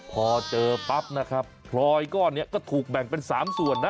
พอเจอปั๊บนะครับพลอยก้อนนี้ก็ถูกแบ่งเป็น๓ส่วนนะ